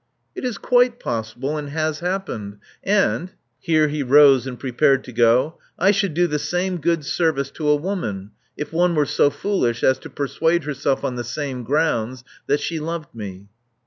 It is quite possible, and has happened. And," here he rose and prepared to go, I should do the same good service to a woman, if one were so foolish as to persuade herself on the same grounds that she loved me.'